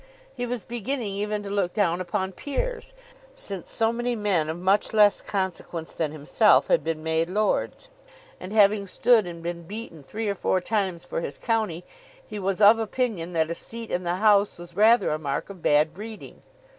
He was beginning even to look down upon peers, since so many men of much less consequence than himself had been made lords; and, having stood and been beaten three or four times for his county, he was of opinion that a seat in the House was rather a mark of bad breeding.